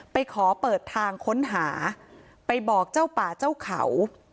ไปขอเปิดทางค้นหาไปบอกเจ้าป่าเจ้าเขา